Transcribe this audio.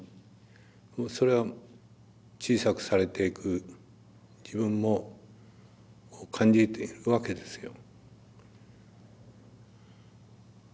それは小さくされていく自分も感じているわけですよ。